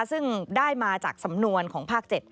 ซึ่งได้มาจากสำนวนของภาค๗